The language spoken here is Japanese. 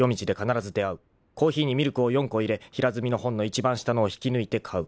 ［コーヒーにミルクを４個入れ平積みの本の一番下のを引き抜いて買う］